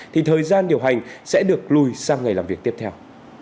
thì thời gian điều hành sẽ được lùi sang ngày làm việc tiếp theo